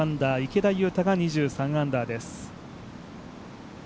池田勇太が２３アンダーです。